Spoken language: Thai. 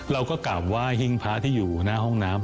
เราก็กลับไหว้หิ้งพระที่อยู่หน้าห้องน้ำ